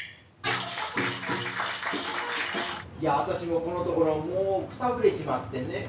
私もこのところもうくたびれちまってね。